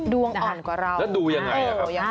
ดวงอ่อนกว่าเราแล้วดูยังไง